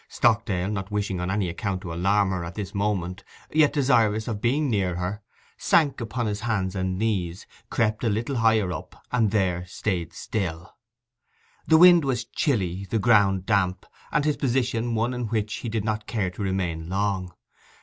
Stockdale, not wishing on any account to alarm her at this moment, yet desirous of being near her, sank upon his hands and knees, crept a little higher up, and there stayed still. The wind was chilly, the ground damp, and his position one in which he did not care to remain long.